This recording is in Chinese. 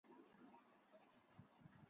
挑出表皮发霉的